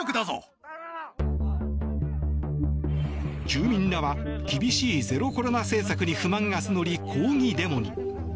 住民らは厳しいゼロコロナ政策に不満が募り、抗議デモに。